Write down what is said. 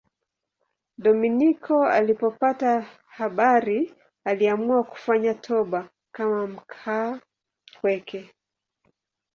Dominiko alipopata habari aliamua kufanya toba kama mkaapweke.